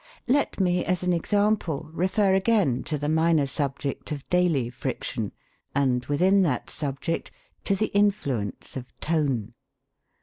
Let me, as an example, refer again to the minor subject of daily friction, and, within that subject, to the influence of tone.